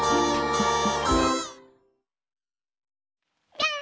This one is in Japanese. ぴょん！